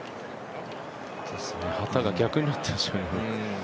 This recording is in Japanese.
旗が逆になってるんですよね。